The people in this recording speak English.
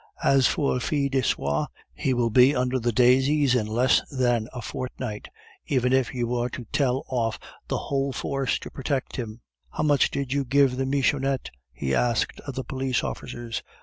As for Fil de Soie, he will be under the daisies in less than a fortnight, even if you were to tell off the whole force to protect him. How much did you give the Michonnette?" he asked of the police officers.